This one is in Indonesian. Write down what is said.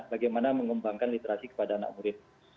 bagaimana mengembangkan literasi kepada anak murid